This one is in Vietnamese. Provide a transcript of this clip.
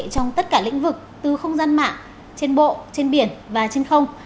trong tất cả lĩnh vực từ không gian mạng trên bộ trên biển và trên không